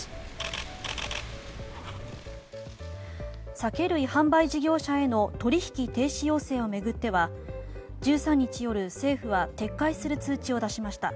酒類販売事業者への取引停止要請を巡っては１３日夜、政府は撤回する通知を出しました。